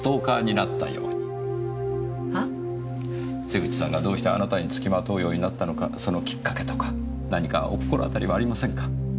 瀬口さんがどうしてあなたに付きまとうようになったのかそのきっかけとか何かお心当たりはありませんか？